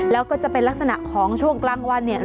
แล้วก็จะเป็นลักษณะของช่วงกลางวันเนี่ย